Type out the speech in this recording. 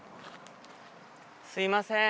すいません！